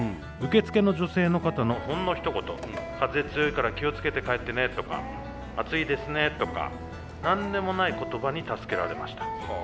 受付の女性の方のほんのひと言『風強いから気を付けて帰ってね』とか『暑いですね』とか何でもない言葉に助けられました。